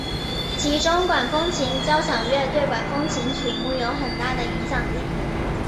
其中管风琴交响乐对管风琴曲目有很大的影响力。